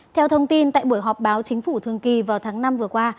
theo thông tin tại buổi họp báo chính phủ thường kỳ vào tháng năm vừa qua